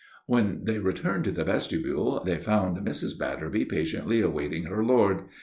When they returned to the vestibule they found Mrs. Batterby patiently awaiting her lord.